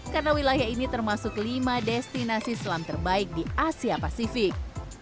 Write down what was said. karena wilayah ini termasuk lima destinasi selam terbaik di asia pasifik